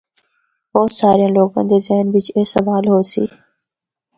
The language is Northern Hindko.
بہت ساریاں لوگاں دے ذہن بچ اے سوال ہوسی۔